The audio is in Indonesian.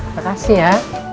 terima kasih ya